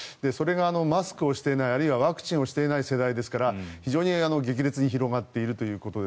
それがマスクをしていないワクチンをしていない世代ですから非常に広がっていると。